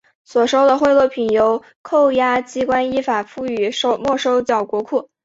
所收的贿赂品由扣押机关依法予以没收上缴国库。